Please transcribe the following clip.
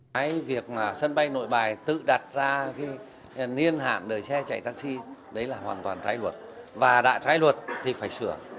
cái việc mà sân bay nội bài tự đặt ra cái niên hạn đợi xe chạy taxi đấy là hoàn toàn trái luật và đã trái luật thì phải sửa